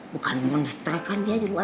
bukan monster kan dia di luar